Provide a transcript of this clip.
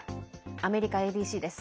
アメリカＡＢＣです。